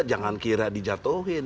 jangan kira dijatuhin